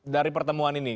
dari pertemuan ini